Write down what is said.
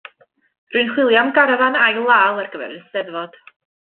Rwy'n chwilio am garafán ail-law ar gyfer y Steddfod.